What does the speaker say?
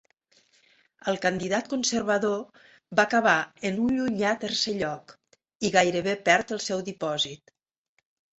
El candidat conservador va acabar en un llunyà tercer lloc, i gairebé perd el seu dipòsit.